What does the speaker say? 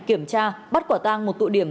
kiểm tra bắt quả tang một tụi điểm